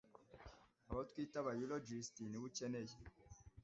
abo twita aba urologists nibo ukeneye